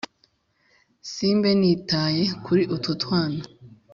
Si mbe nitaye kuri utwo twana